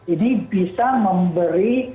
ini bisa memberi